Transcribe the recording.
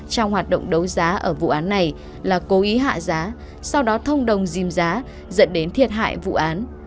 trong hoạt động đấu giá ở vụ án này là cố ý hạ giá sau đó thông đồng dìm giá dẫn đến thiệt hại vụ án